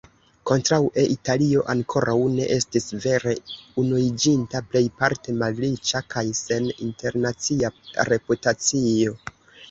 Kontraŭe Italio ankoraŭ ne estis vere unuiĝinta, plejparte malriĉa kaj sen internacia reputacio.